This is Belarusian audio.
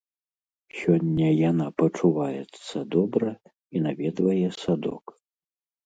Сёння яна пачуваецца добра і наведвае садок.